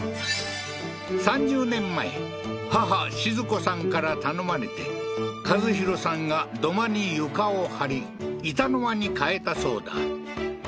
３０年前母しづ子さんから頼まれて和宏さんが土間に床を張り床の間に替えたそうだ